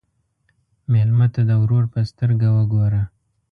مېلمه ته د ورور په سترګه وګوره.